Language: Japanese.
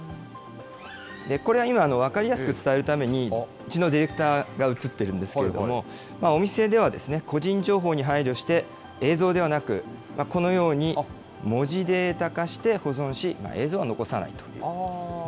これは今、分かりやすく伝えるために、うちのディレクターが映っているんですけれども、お店では個人情報に配慮して、映像ではなく、このように文字データ化して保存し、映像は残さないということです。